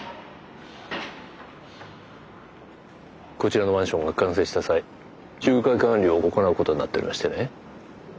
こちらのマンションが完成した際仲介管理を行うことになっておりましてね。